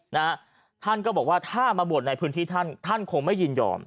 นะฮะท่านก็บอกว่าถ้ามาบวชในพื้นที่ท่านท่านคงไม่ยินยอม